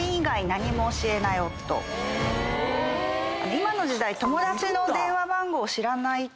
今の時代。